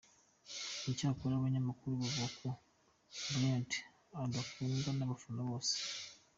Cyakora abanyamakuru bavuga ko Bryant adakundwa n'abafana bose.